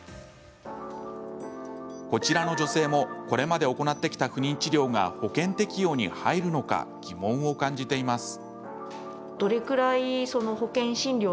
こちらの女性もこれまで行ってきた不妊治療が保険適用に入るのか疑問を感じています。